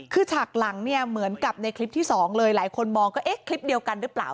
คือฉากหลังเนี่ยเหมือนกับในคลิปที่สองเลยหลายคนมองก็เอ๊ะคลิปเดียวกันหรือเปล่า